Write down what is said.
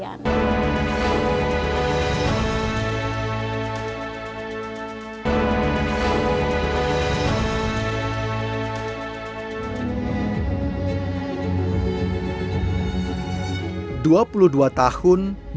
bagaimana kita kembali ke dalam diri